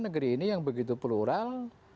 negeri ini yang begitu plural